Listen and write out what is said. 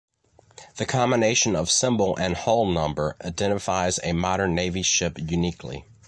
The combination of symbol and hull number identifies a modern Navy ship uniquely.